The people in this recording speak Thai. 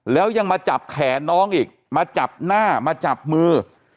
แล้วยังมาจับแขนน้องอีกมาจับหน้ามาจับมือ